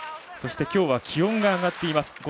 きょうは気温が上がっています。